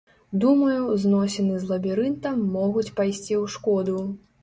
Думаю, зносіны з лабірынтам могуць пайсці ў шкоду.